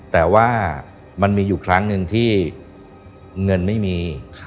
แต่ว่ามันมีอยู่ครั้งหนึ่งที่เงินไม่มี